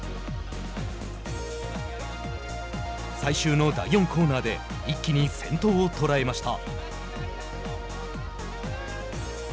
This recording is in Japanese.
最終の第４コーナーで一気に先頭を捉えました。